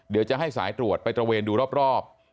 เดี๋ยวจะให้สายตรวจไปตระเวนดูรอบ